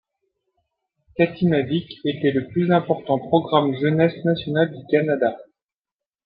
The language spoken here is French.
Katimavik était le plus important programme jeunesse national du Canada.